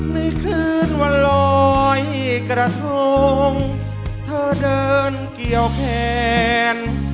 ในคืนวันลอยกระทงเธอเดินเกี่ยวแขน